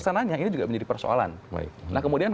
kita nanya ini juga menjadi persoalan nah kemudian